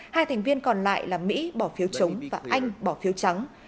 hai thành viên còn lại là mỹ bỏ phiếu chống và anh bỏ phiếu trắng